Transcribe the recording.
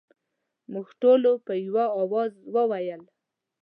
موږ ټولو په یوه اواز وویل.